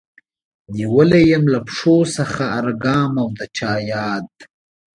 نيولی يم له پښو څخه هر ګام او د چا ياد